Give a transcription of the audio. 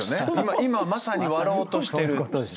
今まさに割ろうとしてる。